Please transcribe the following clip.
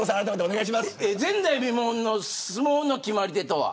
前代未聞の相撲の決まり手とは。